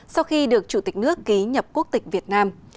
sau khi được chủ tịch nước ký nhập quốc tịch việt nam